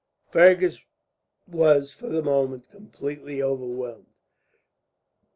Fergus was, for the moment, completely overwhelmed.